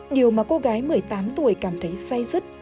điều mà cô gái một mươi tám tuổi cảm thấy say rứt